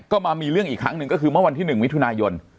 ก็มามีเรื่องอีกครั้งหนึ่งก็คือเมื่อวันที่๑มิถุนายน